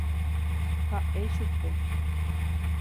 Ha'e chupe.